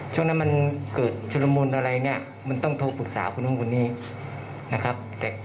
ช่วงนั้นมันเกิดชุมรมูลอะไรมันต้องโทรปรึกษาคุณหนึ่งนี้นะครับ